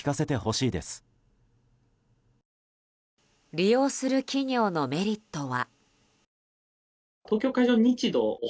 利用する企業のメリットは。